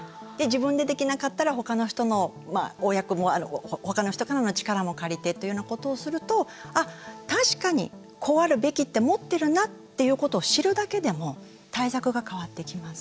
自分でできなかったらほかの人からの力も借りてというようなことをすると確かに、こうあるべきって持ってるなっていうことを知るだけでも対策が変わってきます。